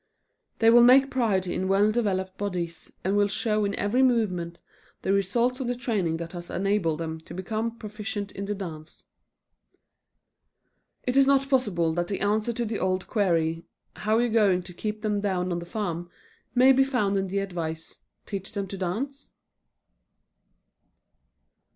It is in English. They will take pride in well developed bodies, and will show in every movement the results of the training that has enabled them to become proficient in the dance. Is it not possible that the answer to the old query: "How you goin' to keep them down on the farm?" may be found in the advice: "Teach them to dance"?